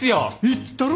言ったろ？